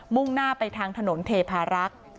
่งหน้าไปทางถนนเทพารักษ์